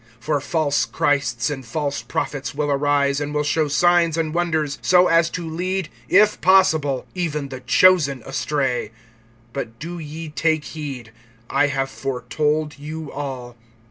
(22)For false Christs and false prophets will arise, and will show signs and wonders, so as to lead, if possible, even the chosen astray. (23)But do ye take heed; I have foretold you all.